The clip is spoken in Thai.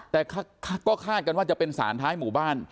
แต่ก็คาดกันว่าจะเป็นสารท้ายหมู่บ้าน